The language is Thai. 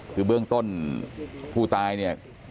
คือเบื้องต้นผู้ตายเนี่ย